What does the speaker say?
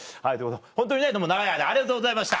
ホントにねどうも長い間ありがとうございました。